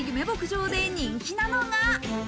牧場で人気なのが。